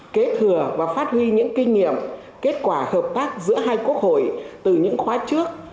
kế thừa và phát huy những kinh nghiệm kết quả hợp tác giữa hai quốc hội từ những khóa trước